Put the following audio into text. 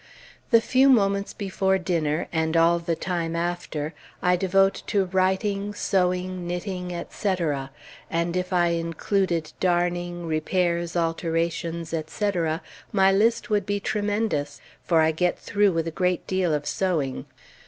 The few moments before dinner, and all the time after, I devote to writing, sewing, knitting, etc., and if I included darning, repairs, alterations, etc., my list would be tremendous, for I get through with a great deal of sewing.